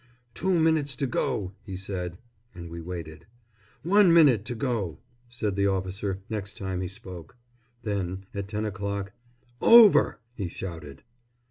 "Two minutes to go!" he said. And we waited. "One minute to go!" said the officer next time he spoke. Then, at ten o'clock, "Over!" he shouted.